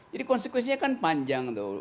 jadi konsekuensinya kan panjang tuh